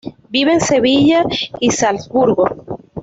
Vive en Sevilla y Salzburgo.